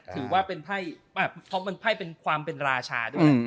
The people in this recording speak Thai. ถือว่าเป็นไพ่เพราะมันไพ่เป็นความเป็นราชาด้วย